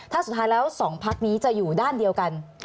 ถ้าสุดท้ายแล้ว๒พักนี้จะอยู่ด้านเดียวกัน